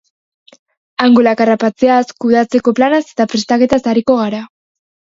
Angulak harrapatzeaz, kudeatzeko planaz eta prestaketaz ariko gara.